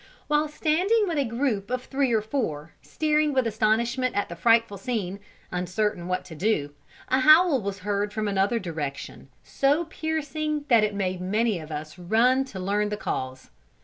While standing with a group of three or four, staring with astonishment at the frightful scene, uncertain what to do, a howl was heard from another direction, so piercing that it made many of us run to learn the cause.